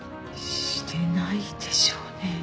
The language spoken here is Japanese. してないでしょうね。